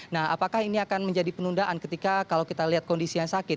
nah apakah ini akan menjadi penundaan ketika kalau kita lihat kondisi yang sakit